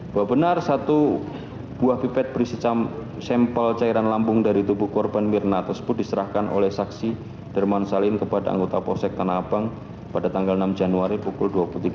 bahwa benar satu buah pipet berisi sampel cairan lambung dari tubuh korban mirna tersebut diserahkan oleh saksi derman salim kepada anggota posek tanah abang pada tanggal enam januari pukul dua puluh tiga